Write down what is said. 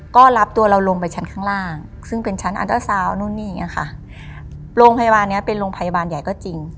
ก็รับตัวเราลงไปชั้นข้างล่างซึ่งเป็นชั้นอันตราซาวน์นู่นนี่อย่างเงี้ยค่ะโรงพยาบาลเนี้ยเป็นโรงพยาบาลใหญ่ก็จริง